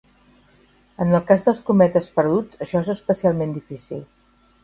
En el cas dels cometes perduts això és especialment difícil.